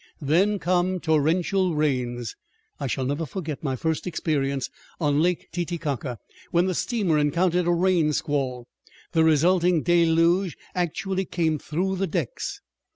Then come torrential rains. I shall never forget my first experience on Lake Titicaca, when the steamer encountered a rain squall. The resulting deluge actually came through the decks.